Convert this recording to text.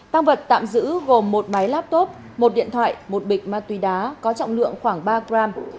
tăng vật tạm giữ gồm một máy laptop một điện thoại một bịch ma túy đá có trọng lượng khoảng ba gram